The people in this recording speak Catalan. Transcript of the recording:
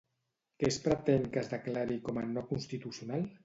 Què es pretén que es declari com a no-constitucional?